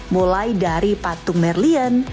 mulai dari patung merlian